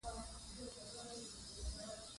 لعل د افغان ماشومانو د زده کړې موضوع ده.